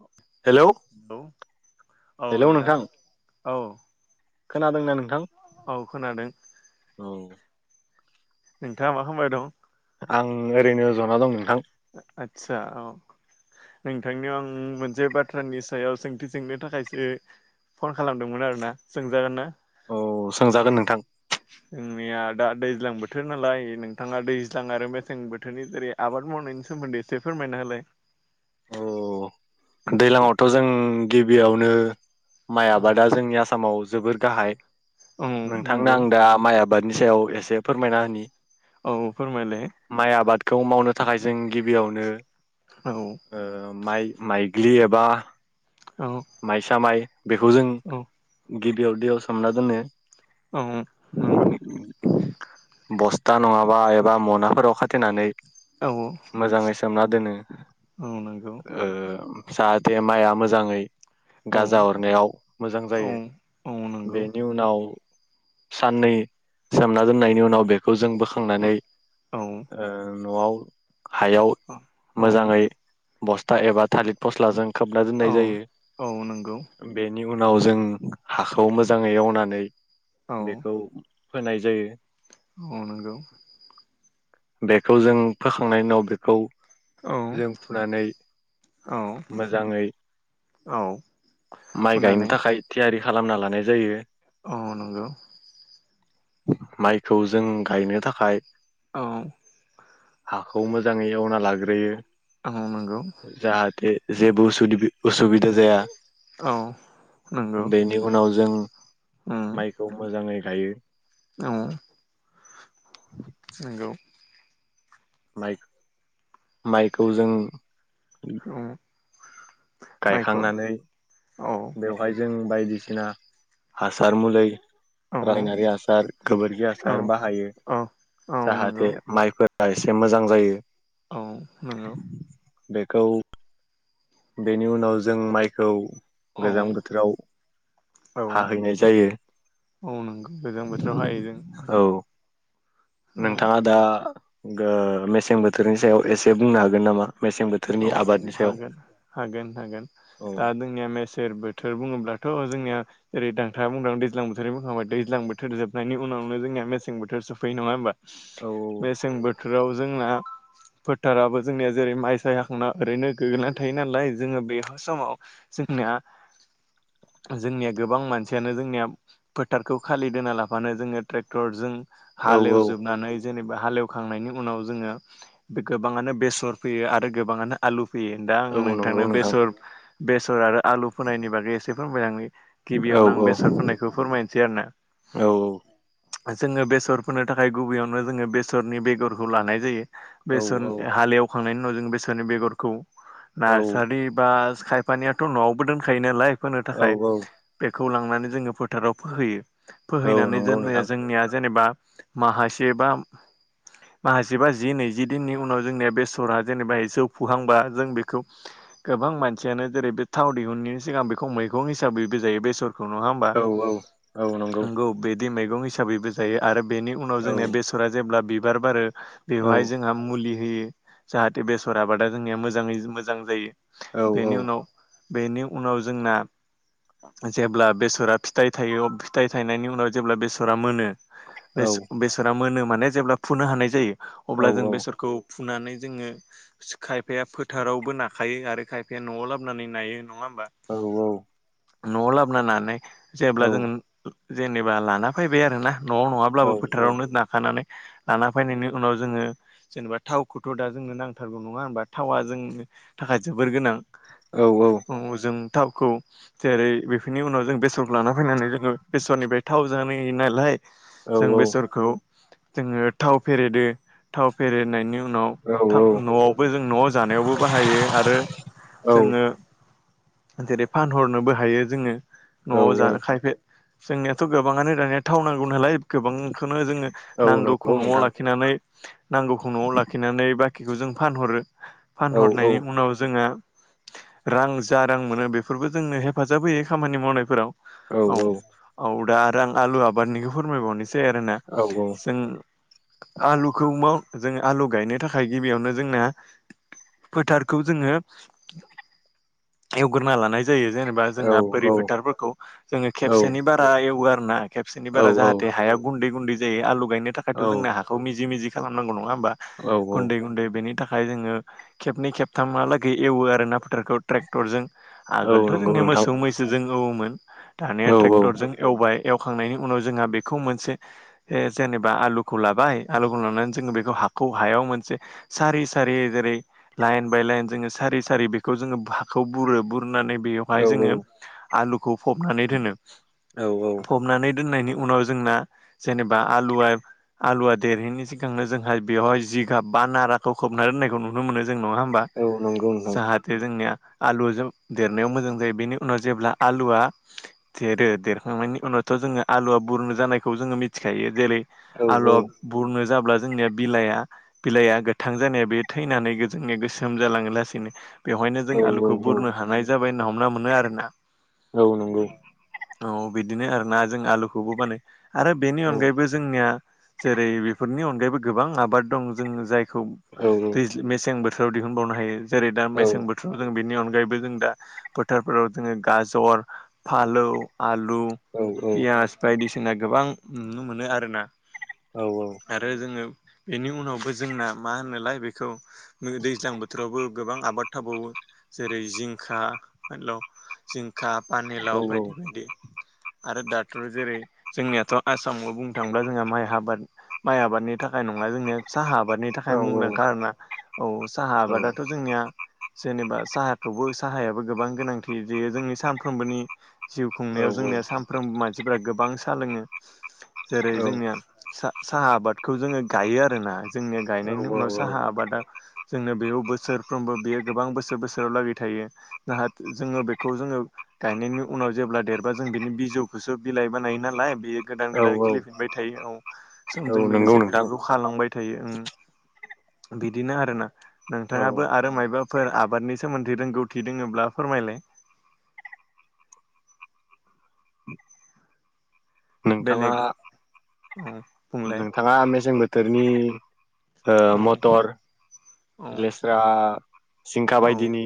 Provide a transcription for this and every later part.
Hello औ नोंथां औ खोनादोंना नों औ खोनादों। नोंथाङा मा खालामबाय दं? आं ओरैनो जना दं नोंथां। आतसा औ। नोंथांनियाव आं मोनसे बाथ्रानि सायाव सोंथि सोंनो थाखायसो फन खालामदोंमोन आरोना सोंजागोन ना? औ सोंजागोन नोंथां। जोंनिया दा दैज्लां बोथोर नालाय नोंथाङा दैज्लां आरो मेसें बोथोरनि जेरै आबाद मावनायनि सोमोन्दै। एसे फोरमायना होलाय दैज्लांआवथ' जों गिबियावनो माइ औ आबादा जोंनि आसामाव जोबोर गाहाय औ नोंथांनो नंगौ आं दा माइ आबादनि सायाव एसे फोरमायना होनि। औ फोरमायलाय। खौ मावनो थाखाय जों गिबियावनो औ ओ माइ माइग्लि एबा औ माइसा माइ बेखौ जों औ गिबियाव दैयाव सोमना दोनो। औ औ नंगौ। बस्था नङाबा एबा मनाफोराव खाथेनानै। औ मोजाङै सोमना दोनो। औ नंगौ जाहाथे माइआ मोजाङै औ गाजा अरनायाव मोजां औ जायो औ नंगौ बेनि उनाव साननै सोमना दोननायनि उनाव बेखौ जों बोखांनानै ओ न'आव हायाव औ औ मोजाङै बस्था एबा थालिर फस्लाजों खोबना दोननाय औ जायो औ नंगौ बेन नि उनाव जों हाखौ मोजाङै एवनानै औ बेखौ फोनाय जायो। औ नंगौ बेखौ जों फोखांनायनि उनाव बेखौ औ जों फुनानै औ मोजाङै औ माइ गायनो फुनानै थाखाय थियारि खालामना लानाय जायो। अ नंगौ। माइखौ जों गायनो थाखाय औ हाखौ मोजाङै एवना लाग्रोयो। अ नंगौ। जाहाथे जेबो असुदिबि असुबिदा जाया औ नंगौ बेनि उनाव जों उम माइखौ मोजाङै गायो। औ नंगौ। माइ माइखौ जों औ। गायखांनानै औ बेवहाय जों बायदिसिना हासार मुलै औ रायनारि हासार गोबोरखि औ हासार बाहायो औ औ नंगौ जाहाथे माइफोर रा एसे मोजां जायो। औ नंगौ। बेखौ बेनि उनाव जों माइखौ गोजां औ बोथोराव औ हाहैनाय जायो। औ नंगौ गोजां बोथोराव हायो जों। औ औ नोंथाङा दा गो मेसें बोथोरनि सायाव एसे बुंनो हागोन नामा? मेसें बोथोरनि औ आबादनि सायाव हागोन हागोन हागोन औ दा जोंनिया मेसेेर बोथोर बुङोब्ला थ' जोंनिया जेरै नोंथांआ बुंदों दैज्लां बोथोरनि बुंखांबाय दैज्लां बोथोर जोबनायनि उनावनो जोंनिया मेसें बोथोर सफैयो नङा होमबा? औ मेसें बोथोराव जोंना फोथाराबो जोंनिया जेरै माइ साया ना ओरैनो गोग्लैना थायो नालाय जोङो बे समाव जोंनिया जोंनिया गोबां मानसियानो जोंनिया फोथारखौ खालि दोनना लाबानो जोङो ट्रेक्टरजों औ औ हालेवजोबनानै जेनेबा हालेवखांनायनि उनाव जोङो बे गोबाङानो बेसर फोयो आरो गोबाङानो आलु फोयो दा आं औ नंगौ नोंथांनो नोंथां बेसर बेसर आरो आलु फोनायनि बागै एसे फोरमायलांनि। औ गिबियावनो आं बेसर फोनायखौ फोरमायनोसै आरो ना। औ जोङो बेसर फोनो थाखाय गुबैयावनो जोङो बेसरनि बेगरखौ लानाय जायो। औ बेसर हालेवखांनायनि उनाव जों बेसरनि बेगरखौ नार्सारि बा खायफानियाथ' न'आवबो दोनखायो नालाय फोनो औ थाखाय औ बेखौ लांनानै जोङो फोथाराव फोहैयो। औ फोहैनानै नंगौ दोनो नोंथां जोंनिया जेनेबा माहासे बा माहासे जिबा जि नैजि दिननि उनाव जोंनिया बेसरा जेनेबा जौ फुहांबा जों बेखौ गोबां मानसियानो जेरै बे थाव दिहुननायनि सिगां बेखौ मैगं हिसाब बैबो जायो बेसरखौ नङा होमबा औ औ नंगौ बे बि मैगं हिसाबैबो जायो आरो बेनि उनाव औ जोंनिया बेसरा जेब्ला बिबार बारो औ बेवहाय जोंहा मुलि होयो जाहाथे बेसर आबादा जोंनिया मोजाङै मोजां जायो औ औ बेनि उनाव बेनि उनाव जोंना जेब्ला बेसरा फिथाइ थायो फिथाइ थायनायनि उनाव जेब्ला बेसरा मोनो बे औ बेसरा मोनो माने जेब्ला फुनो हानाय जायो अब्ला जों औ बेसरखौ फुनानै जोङो खायफाया फोथारावबो नाखायो आरो खायफाया न'आव लाबोनानै नायो नङा बा औ न'आव लाबोना नानाय जेब्ला औ जों जेनेबा लाना फैबाय आरोना न'आव नङाब्लाबो फोथारावनो नाखानानै लाना फैनायनि उनाव जोङो जेनेबा थावखौथ' दा जोंनो नां थारगौ नङा होनबा थावा जोंनि थाखाय जोबोर गोनां औ उ जों थावखौ जेरै बेफोरनि उनाव जों बेसरखौ लाना फैनानै जोङो बेसरनिफ्राय थाव जानाय नालाय जों बेसरखौ जोङो थाव फेरेदो थाव फेरेदनायनि उनाव औ थाव औ न'आवबो जों न'आव जानायावबो बाहायो आरो जोङो जेरै फानहरनोबो हायो जोङो न'आव जा खायफा जोंनियाथ' गोबाङानो दानिया थाव नांगौ नालाय गोबांखोनो जोङो औ नांगौखौ नंगौ न'आव नोंथां लाखिनानै नांगौखौ न'आव लाखिनानै बाखिखौ जों फानहरो औ फानहरनायनि औ उनाव जोंहा रां जा रां मोनो बेफोरबो जोंनो हेफाजाब होयो खामानि मावनायफोराव औ औ दा आरो आं आलु आबादनिखौ फोरमायबावनि सै आरोना औ औ जों आलुखौ माव जों आलु गायनो थाख खाय गिबियावनो जोंना फोथारखौ जोङो एवग्रोना लानाय जायो जेनेबा जोंहा बोरि फोथारफोरखौ जोङो खेबसेनि बारा एवो आरोना खेबसेनि बारा जाहाथे हाया गुन्दै गुन्दै जायो आलु गायनो थाखायथ' जोंनो हाखौ मिजि मिजि खालामनांगौ नङा बा गुन्दै गुन्दै बेनि थाखाय जोङो खेबनै खेबथामहालागै एवो आरो ना फोथारखौ ट्रेक्टरजों औ आगोलथ' नंगौ जोंनिया नोंथां मोसौ मैसोजों औमोन औ दानिया औ ट्रेक्टरजों एवबाय एवखांनायनि उनाव जोंहा बेखौ मोनसे ए जेनेबा आलुखौ लाबाय आलुखौ लानानै जोङो बेखौ हा खौ हायाव मोन से सारि सारि जेरै लाइन बाय लाइन जोङो सारि सारि बेखौ जोङो हाखौ बुरो बुरनानै औ बेयावहाय जोङो आलुखौ फबनानै दोन औ औ फबनानै दोन्नायनि उनाव जोंना जेनेबा आलुवा आलुवा देरैनि सिगांनो जोंहा बेहाय जि खा बा नाराखौ खोबना दोननायखौ नुनो मोनो जों नङा होमबा? औ नंगौ नोंथां जाहाथे जोंनिया आलुजों देरनायाव मोजां जायो बेनि उनाव जेब्ला आलुआ देरो देरखांनायनि उनाव थ' जोङो आलुआ बुरनो जानायखौ जोङो मिथिखायो जेरै औ औ आल'ब बुरनो जाब्ला जोंनिया बिलाया बिलाइआ गोथां जानाया बे थैनानै जोंनि गोसोम जालाङो लासैनो बेवहायनो जों औ आलुखौ बुरनो हानाय जाबाय होनना हमना मोनो आरोना औ नंगौ औ बिदिनो आर ना जों आलुखौबो बानाय आरो बेनि औ अनगायैबो जोंनिया जेरै बेफोरनि अनगायैबो गोबां आबाद दं जों जायखौ औ दैयज मेसें बोथोर बोथोराव दिहुनबावनो हायो जेरै दा औ मसें बोथोराव जों बिअनगा अगायैबो जों दा फोथारफोराव जोङो गाजर फालौ आलु औ पियास बायदिसिना गोबां नुनो मोनो आर ना औ आरो जोङो बेनि उनावबो जोंना मा होनोलाय बेखौ दैज्लां बोथोरावबो गोबां आबाद थाबावो जेरै जिंखा जिंखा औ पानिलाव औ बायदि बायदि आरो दाथ' जेरै जोंनियाथ' आसामाव बुंनो थाङोब्ला जोंहा माइ आबाद माइ आबादनि थाखाय नङा जोंनिया साहा आबादनि थाखाय मुंदां खारना औ साहा आबादाथ' जोंनिया जेनेबा साहाखौबो साहायाबो गोबां गोनांथि जे जोंनि सानफ्रोमबोनि जिउ खुंनायाव जोंनिया सानफ्रोमबो मानसिफोरा गोबां साहा लोङो। जेरै जोंनिया साहा आबादखौ जोङो गायो आरोना जोंनि गायनायनि उनाव साहा आबादा जोंनो बेयाव बोसोरफ्रोमबो बेयो गोबां बोसोर बोसोराव लागै थायो। नाहा जोङो बेखौ जोङो गायनायनि उनाव जेब्ला देरबा जों बिनि बिजौखौसो बिलाइ बानायो नालाय बेयो गोदान औ गोदान खिलिफिनबाय थायो। औ समजों नंगौ लोगोसे नोंथां बेफोरखौ खालांबाय थायो उम। बिदिनो आरोना औ नोंथाङाबो आरो मायबा फोर आबादनि सोमोन्दै रोंगौथि दङोब्ला फोरमायलाय। [inaudible] नोंथाङा बेलेग औ बुंलाय नोंथाङा मेसें बोथोरनि ओ औ मथर, औ लेस्रा, सिंखा औ बायदिनि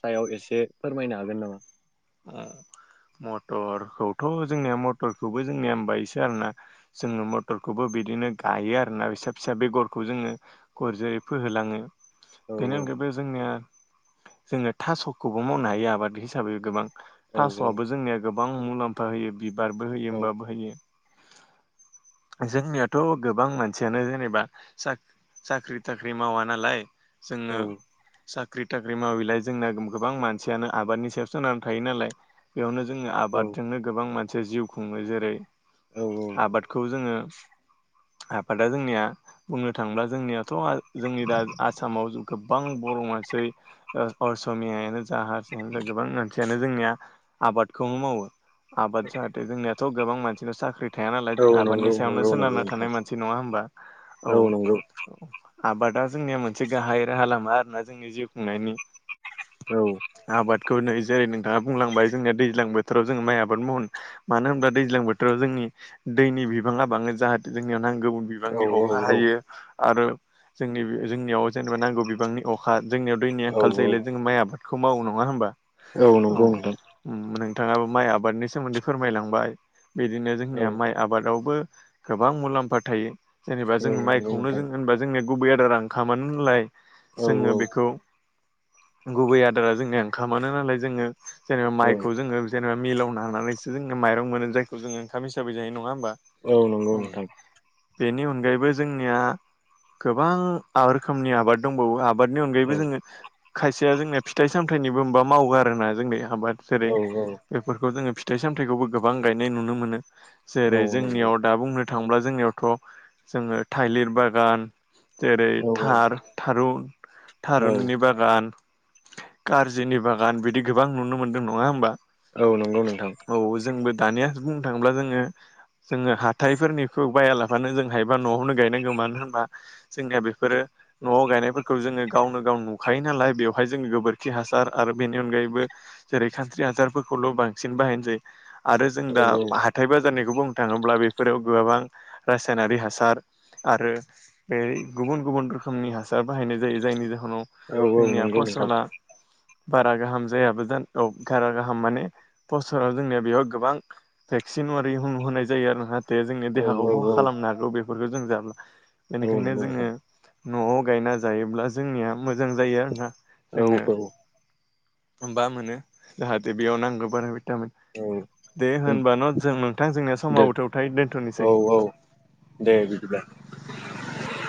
सायाव ए से फोरमायनो हागोन नामा? औ। मथरखौथ' जोंनिया मथरखौबो जोंनियाम बायसो आरोना जोङो मथरखौबो बिदिनो गायो आरोना फिसा फिसा बेगरखौ जोङो गरजै फोहोलाङो। औ बेनि अनगायैबो जोंनिया जोङो थास'खौबो मावनो हायो आबाद हिसाबै गोबां। औ थास'आबो जोंनिया गोबां मुलाम्फा होयो बिबारबो होयो औ होमबाबो होयो। जोंनियाथ' गोबां मानसियानो जेनेबा साख्रि थाख्रि मावा नालाय औ जोङो साख्रि थाख्रि मावैलाय जोंना गोबां मानसियानो आबादनि सायाव सोनार थायो नालाय बेयावनो जोङो आबादजोंनो गोबां मानसि जिउ खुङो। जेरै औ आबादखौ जोङो आबादा जोंनिया बुंनो थाङोब्ला जोंनियाथ' जोंनि दा आसामाव गोबां बर' मानसै असमियानो जा हारसायानो जा गोबां मान सियानो जोंनिया आबादखौनो मावो। आबाद जाहाथे जोंनियाथ' गोबां मानसिनाव साख्रि थाया नालाय औ जों नंगौ आबादनि सायावनो नंगौ नंगौ सोनारना नोंथां थानाय मानसि नङा होनबा। औ औ। आबादा जोंनिया मोनसे गाहाय राहा लामा आरोना जोंनि जिउ खुंनायनि। औ। आबादखौ नै जेरै नोंथाङा बुंलांबाय जोंनिया दैज्लां बोथोराव जों माइ आबाद मावो। मानो होनब्ला दैज्लां बोथोराव जोंनि दैनि बिबाङा बाङो जाहाथे जोंनियाव नां गौ बिबांनि अखा औ हायो आरो जोंनि जोंनियाव जेनेबा नांगौ बिबांनि अ खा जोंनियाव दैनि औ औ आंखाल औ जायोलाय जों माइ आबादखौ मावो नङा होमबा। औ नंगौ नोंथां उम बिथाङाबो माइ आबादनि सोमोन्दै फोरमायलांबाय बिदिनो औ जोंनिया माइ आबादावबो गोबां मुलाम्फा थायो। जेनेबा औ जों नंगौ माइखौनो नोंथां जों होनबा जोंनिया गुबै आदार ओंखामानो होनलाय औ जोङो बेखौ गुबै आदारा जोंनिया ओंखामानो नालाय जोङो जेनेबा औ माइखौ जोङो जे नेबा मिलावनानानैसो जोंना माइरं मोनो जायखौ जोङो ओंखाम हिसाबै जायो नङा होमबा। औ नंगौ नोंथां। बेनि अनगायैबो जोंनिया गोबां आर रोखोमनि आबाद दंबावो आ बादनि औ अनगायैबो जोङो खायसेया जोंना फिथाइ सामथाइनिबो मबा मावो आरोना जोंनिया। आबाद जेरै औ बेफोरखौ जोङो फिथाइ सामथाइखौबो गोबां गायनाय नुनो मोनो। जेरै औ नंगौ जोंनियाव दा बुंनो थाङोब्ला जोंनियावथ' जोङो थाइलिर बागान, जेरै औ थार-थारुन थारुननि बागान, खारजिनि बागान बिदि गोबां नुनो मोनदों नङा होमबा। औ नंगौ नोंथां। औ जोंबो दानिया बुंनो थाङोब्ला जोङो जोङो हाथायफोरनिखौ बायालाबानो जों हायबा न'आवनो गायनांगौ मानो होनबा जोंनिया बेफोरो न'आव गायनायफोरखौ जोङो गावनो गाव नुखायो नालाय बेवहाय जोङो गोबोरखि हासार आरो बेनि अनगायैबो जेरै खान्स्रि हासारफोरखौल' बांसिन बाहायनाय जायो। आरो जों औ दा नंगौ नोंथां औ हाथाय बाजारनिखौ बुंनो थाङोब्ला बेफोराव गोबां रासायनारि हासार आरो बे गुबुन गुबुन रोखोमनि हासार बाहायनाय जायो जायनि जाहोन औ औ जोंनिया नंगौ नोंथां फ'सला बारा गाहाम जायाबो जा औ बारा गाहाम माने पसोराव जोंनिया बेयाव गोबां भेक्सिन सिनुवारि हुं होनाय जायो आरोना जाहाथे जोंनि देहाखौ खहा खालामनो हागौ बेफोरखौ जों जाब्ला एनिखायनो जोङो न'आव गायना जायोब्ला जोंनिया मोजां जायो आरोना औ औ उम बा मोनो जाहाथे बेयाव नांगौ बारा बे दे होनब न' जों नोंथां जोंनिया दे समाव ब' थौथाय औ दोनथ'नोसै औ दे बिदिब्ला [inaudible]